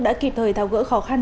đã kịp thời thao gỡ khó khăn